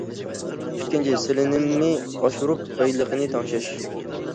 ئىككىنچى، سېلىنمىنى ئاشۇرۇپ، بايلىقنى تەڭشەش.